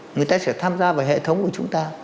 người ta sẽ tham gia vào hệ thống của chúng ta